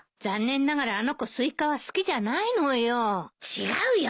違うよ